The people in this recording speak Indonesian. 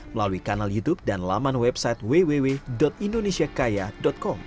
melalui kanal youtube dan laman website www indonesiakaya com